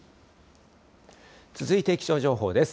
続いて気象情報です。